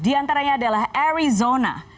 di antaranya adalah arizona